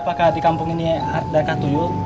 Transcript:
apakah di kampung ini ada yang akan tunggu